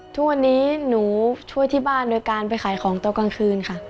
ทุกวันนี้หนูช่วยที่บ้านโดยการไปขายของตอนกลางคืนค่ะ